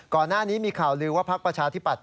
ก่อนหน้านี้มีข่าวลือว่าพักประชาธิปัตย